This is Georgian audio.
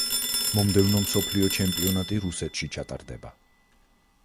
მომდევნო მსოფლიო ჩემპიონატი რუსეთში ჩატარდება.